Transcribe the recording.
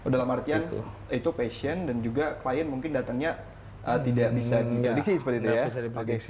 dalam artian itu passion dan juga klien mungkin datangnya tidak bisa diprediksi